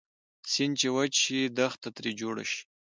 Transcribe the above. سیند چې وچ شي دښته تري جوړه شي